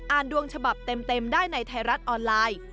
ดวงฉบับเต็มได้ในไทยรัฐออนไลน์